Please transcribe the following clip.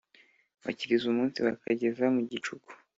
Bakiriza umunsi bakageza mu gicuku